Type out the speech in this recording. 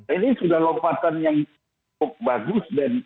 ini sudah lompatan yang cukup bagus